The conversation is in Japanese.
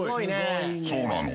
そうなの。